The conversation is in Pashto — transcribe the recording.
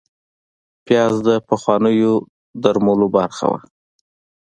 پیاز د پخوانیو درملو برخه وه